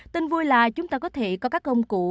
tin vui là chúng ta có thể có các công cụ